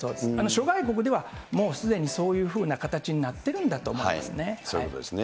諸外国ではもうすでにそういうふうな形になってるんだと思いますね。